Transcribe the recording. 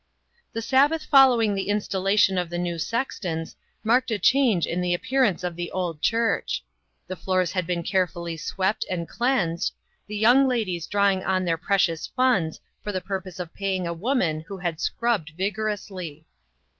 The Sabbath following the installation of the new sextons marked a change in the appearance of the old church. The floors had been carefully swept and cleansed, the young ladies drawing on their precious funds for the purpose of paying a woman who had scrubbed vigorously.